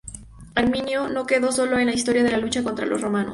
Arminio no quedó solo en la historia de la lucha contra los romanos.